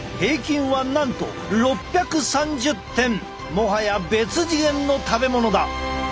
もはや別次元の食べ物だ。